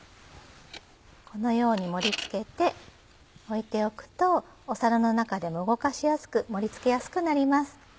このように盛りつけて置いておくとお皿の中でも動かしやすく盛りつけやすくなります。